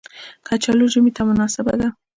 کچالو ژمي ته مناسبه ده